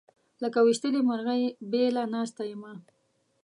لکه ويشتلې مرغۍ بېله ناسته یمه